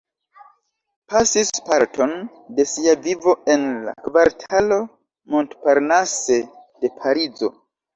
Pasis parton de sia vivo en la kvartalo Montparnasse de Parizo.